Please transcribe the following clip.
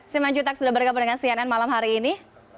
sima jutak sudah bergabung dengan cnn malam hari ini